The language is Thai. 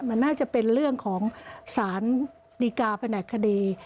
มันน่าจะเป็นเรื่องของสารดีกาแผนกคดี